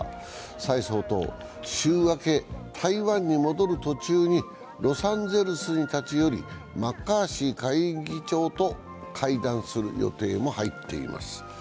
蔡総統、週明け台湾に戻る途中にロサンゼルスに立ち寄りマッカーシー下院議長と会談する予定も入っています。